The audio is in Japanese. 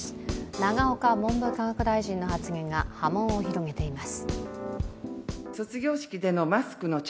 永岡文部科学大臣の発言が波紋を広げています。